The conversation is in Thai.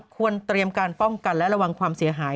ควรเตรียมการป้องกันและระวังความเสียหาย